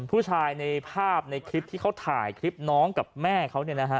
ผู้ชายในภาพในคลิปที่เขาถ่ายคลิปน้องกับแม่เขา